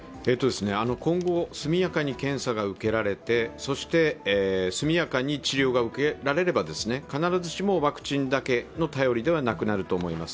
今後、速やかに検査が受けられて速やかに治療が受けられれば必ずしもワクチンだけの頼りだけではなくなると思います。